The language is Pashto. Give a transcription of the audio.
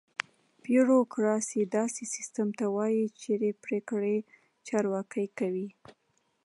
بیوروکراسي: داسې سیستم ته وایي چېرې پرېکړې چارواکي کوي.